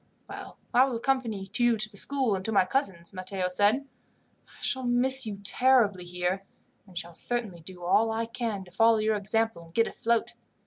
"Well, I will accompany you to the school and to my cousin's," Matteo said. "I shall miss you terribly here, and shall certainly do all I can to follow your example, and get afloat.